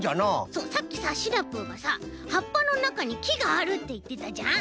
そうさっきさシナプーがさはっぱのなかにきがあるっていってたじゃん？